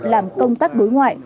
làm công tác đối ngoại